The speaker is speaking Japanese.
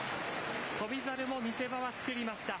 翔猿も見せ場は作りました。